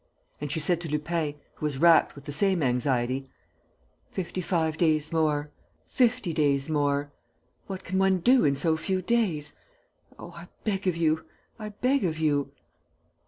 And she said to Lupin, who was racked with the same anxiety: "Fifty five days more.... Fifty days more.... What can one do in so few days?... Oh, I beg of you.... I beg of you...."